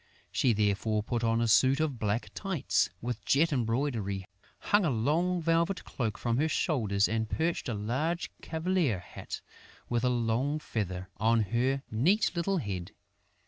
She therefore put on a suit of black tights, with jet embroidery, hung a long velvet cloak from her shoulders and perched a large cavalier hat, with a long feather, on her neat little head.